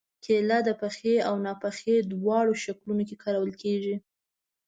کېله د پخې او ناپخې دواړو شکلونو کې خوړل کېږي.